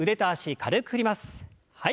はい。